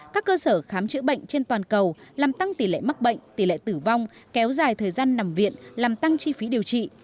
các cơ sở khám chữa bệnh trên toàn cầu làm tăng tỷ lệ mắc bệnh tỷ lệ tử vong kéo dài thời gian nằm viện làm tăng chi phí điều trị